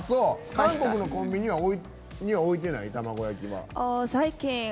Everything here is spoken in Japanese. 韓国のコンビニには置いてない？